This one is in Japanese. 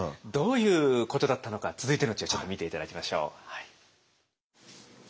どういうことだったのか続いての知恵ちょっと見て頂きましょう。